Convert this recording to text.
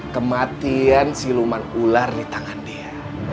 kematian siluman ular di tangan dia